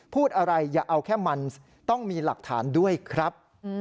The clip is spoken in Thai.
พูดอะไรอย่าเอาแค่มันต้องมีหลักฐานด้วยครับ